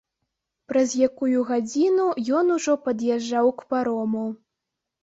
Праз якую гадзіну ён ужо пад'язджаў к парому.